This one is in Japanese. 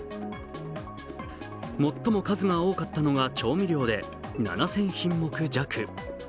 最も数が多かったのが調味料で７０００品目弱。